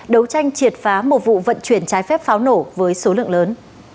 đấu tranh triệt phá một vụ vận chuyển trái phép pháo nổ với số lượng lớn